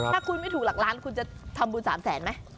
ถ้าคุณไม่ถูกหลักล้านคุณจะทำบุญ๓แสนไหม